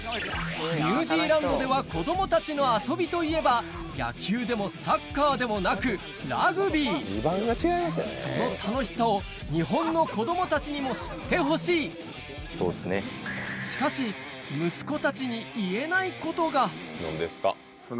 ニュージーランドでは子供たちの遊びといえば野球でもサッカーでもなくラグビーその楽しさを日本の子供たちにも知ってほしいしかしでも。